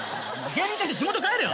芸人引退して地元帰れよ！